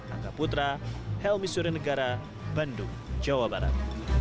angga putra helmi suryanegara bandung jawa barat